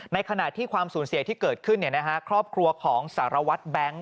ในขณะที่ความสูญเสียที่เกิดขึ้นครอบครัวของสารวัตรแบงค์